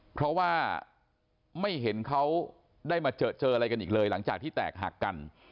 เพราะว่าไม่เห็นเขาได้มาเจออะไรกันอีกเลยหลังจากที่แตกหักกัน